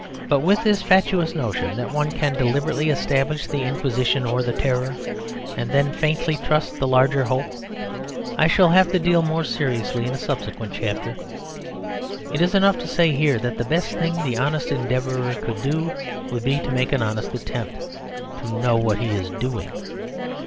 But with this fatuous notion that one can deliberately establish the Inquisition or the Terror, and then faintly trust the larger hope, I shall have to deal more seriously in a subsequent chapter. It is enough to say here that the best thing the honest Endeavourer could do would be to make an honest attempt to know what he is doing.